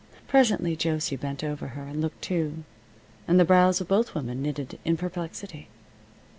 Presently Josie bent over her and looked too, and the brows of both women knitted in perplexity.